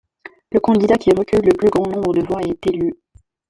Le candidat qui recueille le plus grand nombre de voix est élu.